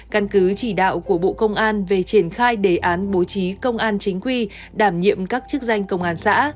căn cứ chỉ đạo của bộ công an về triển khai đề án bố trí công an chính quy đảm nhiệm các chức danh công an xã